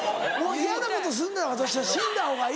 嫌なことするなら私は死んだほうがいい？